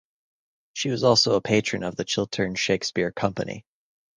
She was also a patron of the Chiltern Shakespeare Company.